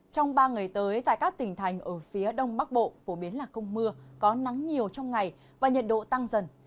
trong ba ngày tới tại các tỉnh thành ở phía đông bắc bộ phổ biến là không mưa có nắng nhiều trong ngày và nhiệt độ tăng dần